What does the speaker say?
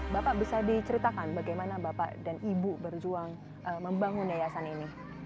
bapak bisa diceritakan bagaimana bapak dan ibu berjuang membangun yayasan ini